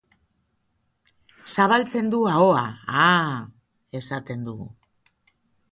Zabaltzen du ahoa, aa! Esaten du.